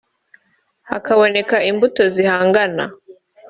hakaboneka imbuto zihangana